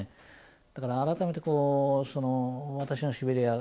だから改めてこう「私のシベリヤ」